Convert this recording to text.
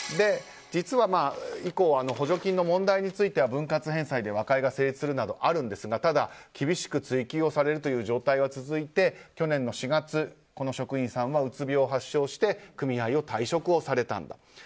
実は、以降補助金の問題については分割返済で和解が成立するなどがあるんですがただ、厳しく追及をされるという状態が続いて去年の４月、この職員さんはうつ病を発症して組合を退職をされたんだと。